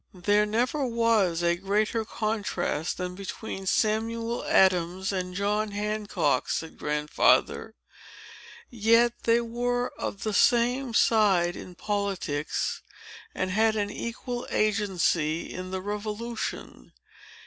"There never was a greater contrast than between Samuel Adams and John Hancock," said Grandfather. "Yet they were of the same side in politics, and had an equal agency in the Revolution.